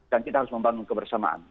dan kita harus membangun kebersamaan